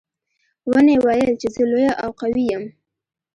ونې ویل چې زه لویه او قوي یم.